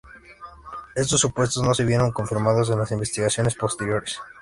Estos supuestos no se vieron confirmados en las investigaciones posteriores.